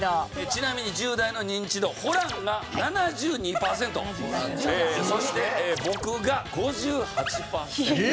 ちなみに１０代のニンチドホランが７２パーセントそして僕が５８パーセント。